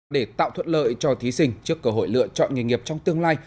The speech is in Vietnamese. để tạo thuận lợi cho thí sinh trước cơ hội lựa chọn nghề nghiệp trong tương lai